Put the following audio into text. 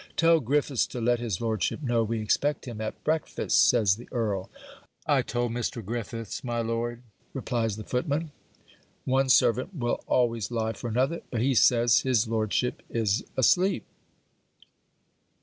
'Tell Griffiths to let his lordship know we expect him at breakfast,' says the earl. 'I told Mr. Griffiths, my lord,' replies the footman (one servant will always lie for another), 'but he says his lordship is asleep.'